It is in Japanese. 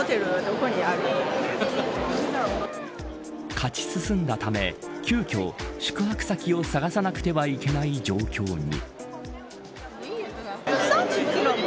勝ち進んだため急きょ、宿泊先を探さなくてはいけない状況に。